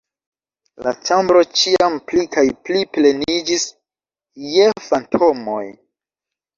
La ĉambro ĉiam pli kaj pli pleniĝis je fantomoj.